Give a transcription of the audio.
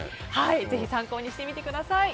ぜひ参考にしてみてください。